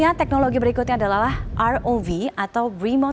kemudian teknologi berikutnya adalah rov atau remotely open